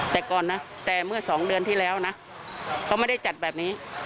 แต่ก่อนนะแต่เมื่อสองเดือนที่แล้วนะเขาไม่ได้จัดแบบนี้